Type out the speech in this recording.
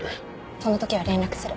その時は連絡する。